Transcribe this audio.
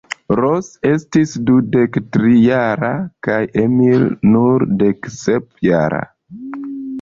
Ros estis dudektrijara kaj Emil nur deksepjara.